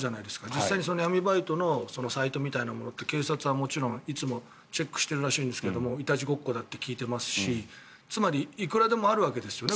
実際に闇バイトのサイトみたいなものって警察はもちろん、いつもチェックしてるらしいんですけどいたちごっこだと聞いていますしつまりいくらでもあるわけですよね。